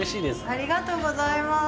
ありがとうございます。